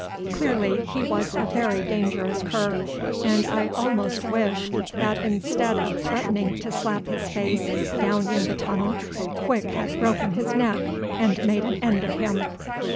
Clearly he was a very dangerous cur, and I almost wished that instead of threatening to slap his face down in the tunnel, Quick had broken his neck and made an end of him.